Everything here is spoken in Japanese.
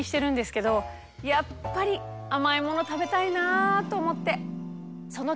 やっぱり甘いもの食べたいなと思って。